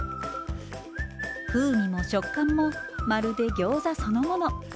風味も食感もまるでギョーザそのもの。